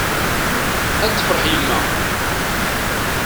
Ad tefreḥ yemma!